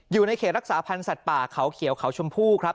อยู่ในเขตรักษาพันธ์สัตว์ป่าเขาเขียวเขาชมพู่ครับ